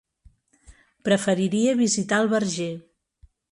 Preferiria visitar el Verger.